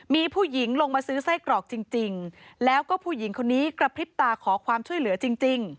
มีผู้หญิงลงมาซื้อไส้กรอกจริงแล้วก็ผู้หญิงคนนี้กระพริบตาขอความช่วยเหลือจริง